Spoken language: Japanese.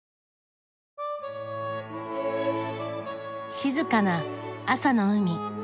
静かな朝の海。